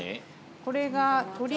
これが。え！